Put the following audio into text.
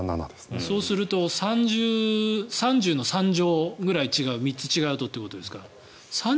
そうすると３０の３乗ぐらい違う３つ違うとということですか。